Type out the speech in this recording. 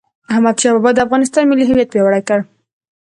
احمدشاه بابا د افغانستان ملي هویت پیاوړی کړ..